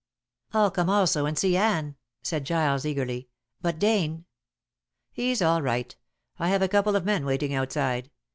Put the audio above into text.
"I'll come also and see Anne," said Giles eagerly. "But Dane?" "He's all right. I have a couple of men waiting outside.